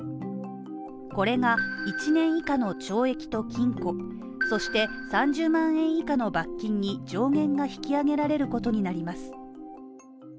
これが１年以下の懲役と禁錮そして３０万円以下の罰金に上限が引き上げられることになります。